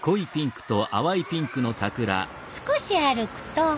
少し歩くと。